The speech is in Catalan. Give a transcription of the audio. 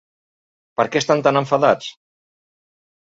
Per què estan tan enfadats?